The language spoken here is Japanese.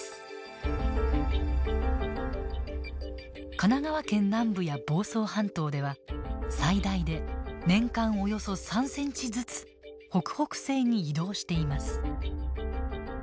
神奈川県南部や房総半島では最大で年間およそ３センチずつ北北西に移動しています。